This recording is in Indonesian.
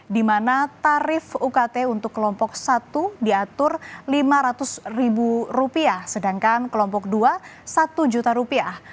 di mana tarif ukt untuk kelompok satu diatur lima ratus ribu rupiah sedangkan kelompok dua satu juta rupiah